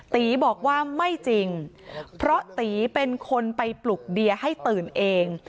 ตีบอกว่าไม่จริงเพราะตีเป็นคนไปปลุกเดียให้ตื่นเอง